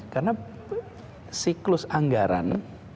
karena siklus anggaran